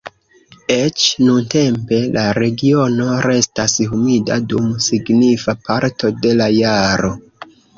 Eĉ nuntempe, la regiono restas humida dum signifa parto de la jaro.